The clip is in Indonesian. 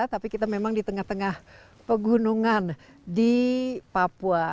tapi kita memang di tengah tengah pegunungan di papua